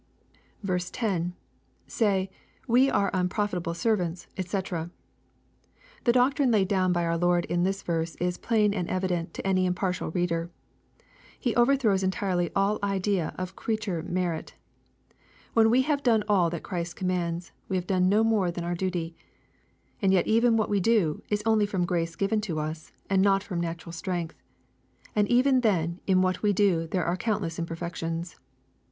10. — [Say^ we are unprqfitahle servants, d!c.] The doctrine laid down by our Lord in this verse is plain and evident to any impartial reader. He overthrows entirely all idea of creature merit. When we have done all that Christ commands, we have done no more than our duty. Yet even what we do is only from grace given to us, and not from natural strength. And even then in what we do there are countless imperfections.